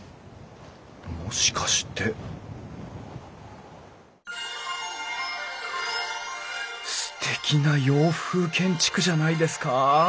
もしかしてすてきな洋風建築じゃないですか！